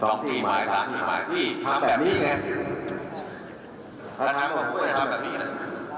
ต้องกี่หมายพี่แบบนี้ไงถ้าทำการคู่ถ้าทำแบบนี้ก็ปล่อย